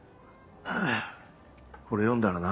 ああこれ読んだらな。